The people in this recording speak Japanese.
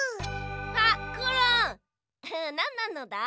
あっコロンなんなのだ？